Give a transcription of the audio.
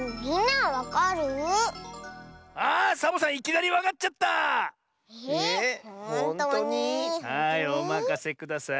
はいおまかせください。